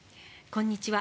こんにちは。